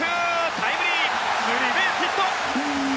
タイムリースリーベースヒット！